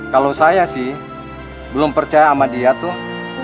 kalau saya sih belum percaya sama dia tuh